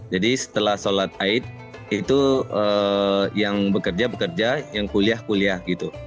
jadi setelah sholat aid itu yang bekerja bekerja yang kuliah kuliah gitu